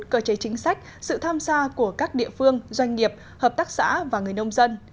cơ chế chính sách sự tham gia của các địa phương doanh nghiệp hợp tác xã và người nông dân